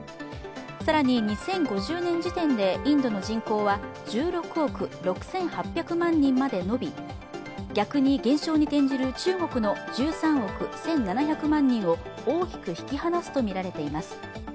更に２０５０年時点でインドの人口は１６億６８００万人まで伸び逆に減少に転じる中国の１３億１７００万人を大きく引き離すとみられています。